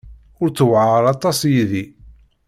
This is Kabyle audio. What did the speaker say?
Ur ttewɛaṛ aṭas yid-i.